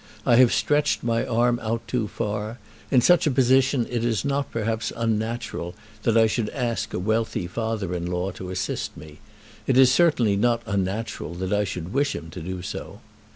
I have stretched my arm out too far. In such a position it is not perhaps unnatural that I should ask a wealthy father in law to assist me. It is certainly not unnatural that I should wish him to do so.